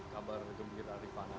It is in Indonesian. kabar kembali dari panah